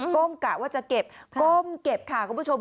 ก้มกะว่าจะเก็บก้มเก็บค่ะคุณผู้ชม